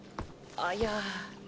あいや。